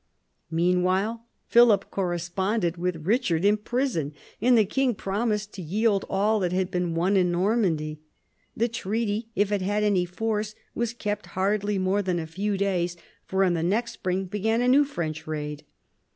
Meanwhile Philip corresponded with Eichard in prison, and the king promised to yield all that had been won in Normandy. The treaty, if it had any force, was kept hardly more than a few days, for in the next spring began a new French raid.